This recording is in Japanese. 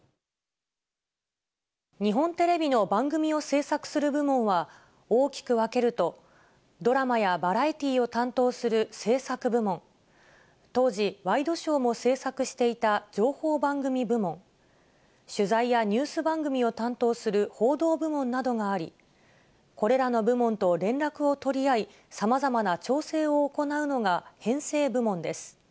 日本テレビの番組を制作する部門は、大きく分けると、ドラマやバラエティーを担当する制作部門、当時、ワイドショーも制作していた情報番組部門、取材やニュース番組を担当する報道部門などがあり、これらの部門と連絡を取り合い、さまざまな調整を行うのが、編成部門です。